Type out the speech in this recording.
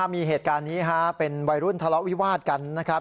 มีเหตุการณ์นี้เป็นวัยรุ่นทะเลาะวิวาดกันนะครับ